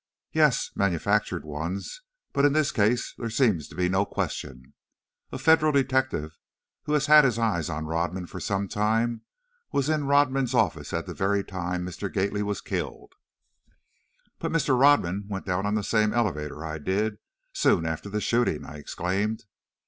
"Yes, manufactured ones. But in this case there seems to be no question. A Federal detective, who has had his eye on Rodman for some time, was in Rodman's office at the very time Mr. Gately was killed." "But Mr. Rodman went down on the same elevator I did, soon after the shooting," I exclaimed.